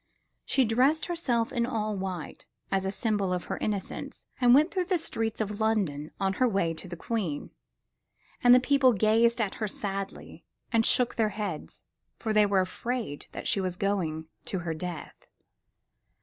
She dressed herself all in white as a symbol of her innocence and went through the streets of London on her way to the Queen; and the people gazed at her sadly and shook their heads, for they were afraid that she was going to her death.